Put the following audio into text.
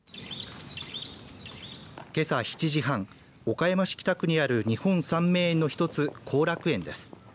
けさ７時半岡山市北区にある日本三名園の一つ後楽園です。